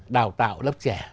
đào tạo lớp trẻ